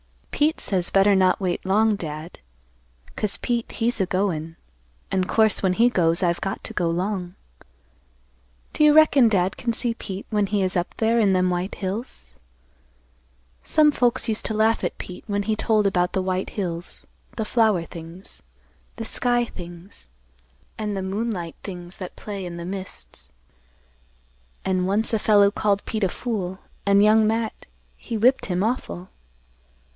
"Pete says better not wait long, Dad; 'cause Pete he's a goin' an' course when he goes I've got to go 'long. Do you reckon Dad can see Pete when he is up there in them white hills? Some folks used to laugh at Pete when he told about the white hills, the flower things, the sky things, an' the moonlight things that play in the mists. An' once a fellow called Pete a fool, an' Young Matt he whipped him awful.